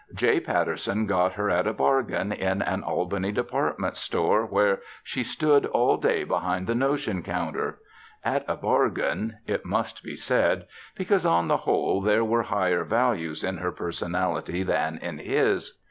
J. Patterson got her at a bargain in an Albany department store where she stood all day behind the notion counter. "At a bargain," it must be said, because, on the whole, there were higher values in her personality than in his.